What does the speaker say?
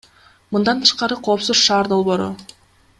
Мындан тышкары, Коопсуз шаар долбоору.